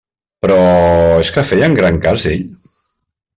Però és que feien gran cas d'ell?